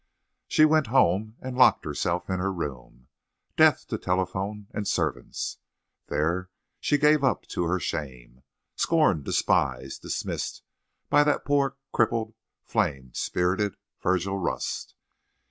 She went home and locked herself in her room, deaf to telephone and servants. There she gave up to her shame. Scorned—despised—dismissed by that poor crippled flame spirited Virgil Rust!